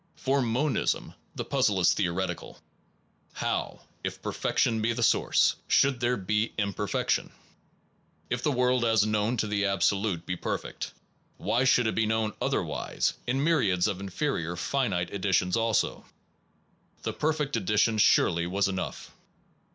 For monism the puzzle is theoretical: How if Perfection be the source, should there be Imperfection? If the world as known to the Absolute be perfect, why should it be known otherwise, in myriads of inferior finite editions also? The perfect edi tion surely was enough.